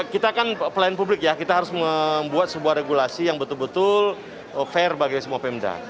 kita kan pelayan publik ya kita harus membuat sebuah regulasi yang betul betul fair bagi semua pemda